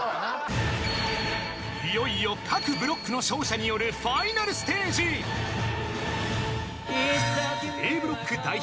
［いよいよ各ブロックの勝者によるファイナルステージ］［Ａブロック代表］